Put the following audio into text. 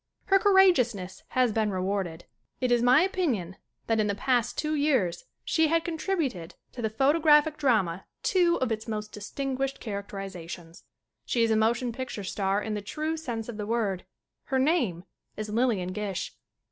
Her courageousness has been rewarded. It is my opinion that in the past two years she had contributed to the photographic drama two of its most distinguished characterizations. She is a motion picture star in the true sense of the word. Her name is Lillian Gish.